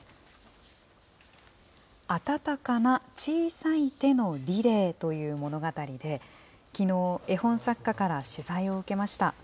あたたかな小さい手のリレーという物語で、きのう、絵本作家から取材を受けました。